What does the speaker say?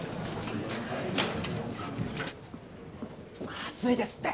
まずいですって。